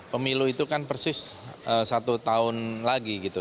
pemilu itu kan persis satu tahun lagi gitu